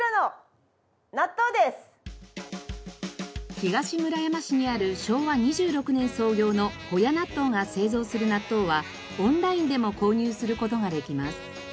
東村山市にある昭和２６年創業の保谷納豆が製造する納豆はオンラインでも購入する事ができます。